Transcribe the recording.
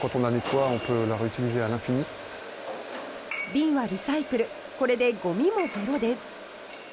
瓶はリサイクルこれでごみもゼロです。